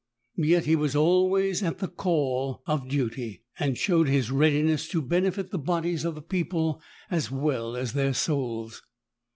Yet he was always at the call of duty, and showed his readiness to benefit the bodies of the people as well as their souls.